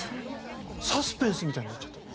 サスペンスみたいになっちゃって。